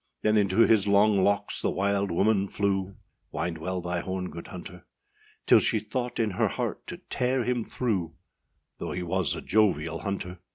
â Then into his long locks the wild woman flew, Wind well thy horn, good hunter; Till she thought in her heart to tear him through, Though he was a jovial hunter.